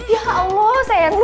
ya allah sayang